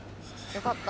よかった。